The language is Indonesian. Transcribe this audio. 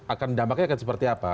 akan dampaknya seperti apa